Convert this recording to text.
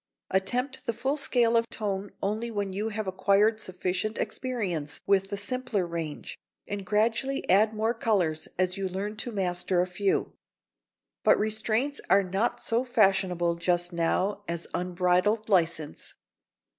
Attempt the full scale of tone only when you have acquired sufficient experience with the simpler range, and gradually add more colours as you learn to master a few. But restraints are not so fashionable just now as unbridled licence.